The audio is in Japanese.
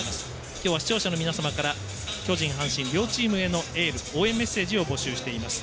今日は視聴者の皆様から巨人、阪神両チームへのエール応援メッセージを募集しています。